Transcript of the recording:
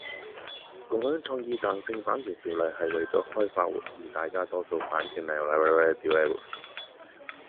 共享創意彈性版權條款係為咗開發而家大多數版權制度冇嘅中間地帶